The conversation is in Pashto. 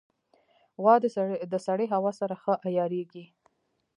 غوا د سړې هوا سره ښه عیارېږي.